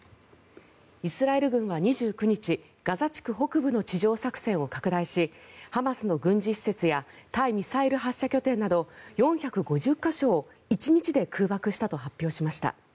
イスラエル軍は２９日ガザ地区北部の地上作戦を拡大しハマスの軍事施設や対ミサイル発射拠点など４５０か所を１日で空爆したと発表しました。